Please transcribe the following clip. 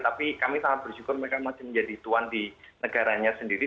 tapi kami sangat bersyukur mereka masih menjadi tuan di negaranya sendiri